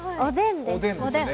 おでんですかね。